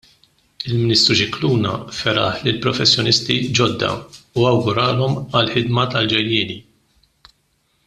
Il-Ministru Scicluna feraħ lill-professjonisti ġodda u awguralhom għall-ħidma tal-ġejjieni.